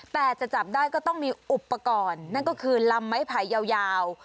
แต่จะจับได้ก็ต้องมีอุปกรณ์นั่นก็คือลำไม้ไผ่ยาว